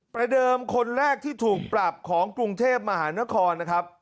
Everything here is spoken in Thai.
ประเดิมคนแรกที่ถูกปรับของกรุงเทพมหานครนะครับ